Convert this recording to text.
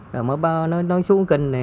rồi nó xuống kinh này